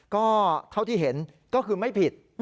ก็เท่าที่เห็นก็คือไม่ผิด